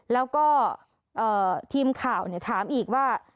แล้วก็ทีมข่าวถามอีกว่า